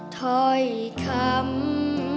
ถ้อยคำ